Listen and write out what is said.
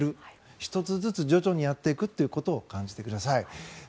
１つずつ徐々にやっていくということを感じてください。